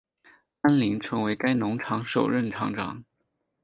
安林成为该农场首任场长。